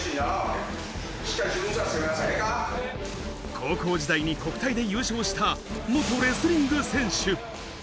高校時代に国体で優勝した元レスリング選手。